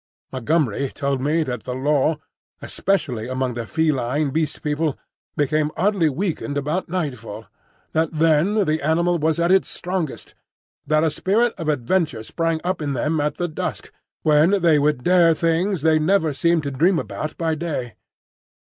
Montgomery told me that the Law, especially among the feline Beast People, became oddly weakened about nightfall; that then the animal was at its strongest; that a spirit of adventure sprang up in them at the dusk, when they would dare things they never seemed to dream about by day.